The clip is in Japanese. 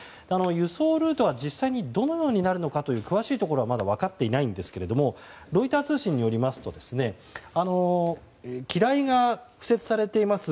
輸送ルートが実際にどのようになるのかという詳しいところはまだ分かっていないんですがロイター通信によりますと機雷が敷設されています